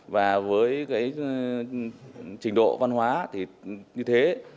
và với trình độ văn hóa như thế